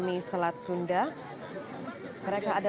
itu juga sih